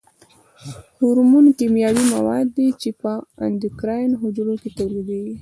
هورمون کیمیاوي مواد دي چې په اندوکراین حجرو کې تولیدیږي.